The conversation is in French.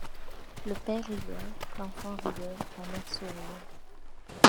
Le père riait, l’enfant riait, la mère souriait.